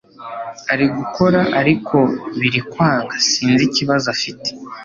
arigukora ariko birikwanga sinzi ikibazo afite